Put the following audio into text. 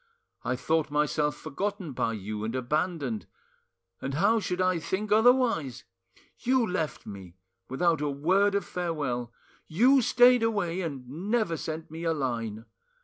I thought myself forgotten by you and abandoned; and how should I think otherwise? You left me without a word of farewell, you stayed away and never sent me a line!